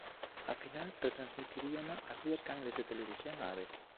A final retransmitiríana as dúas canles de televisión á vez.